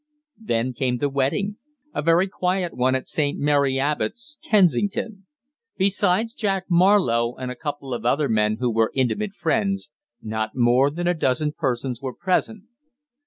Then came the wedding a very quiet one at St. Mary Abbot's, Kensington. Besides Jack Marlowe and a couple of other men who were intimate friends, not more than a dozen persons were present.